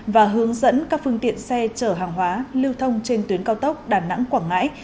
và hướng dẫn các phương tiện xe chở hàng hóa lưu thông trên tuyến cao tốc đà nẵng quảng ngãi